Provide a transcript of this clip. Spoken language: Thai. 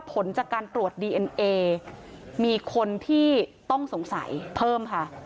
ผลจากการตรวจดีเอ็นเอมีคนที่ต้องสงสัยเพิ่มค่ะ